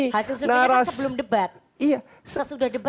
hasil survei itu sebelum debat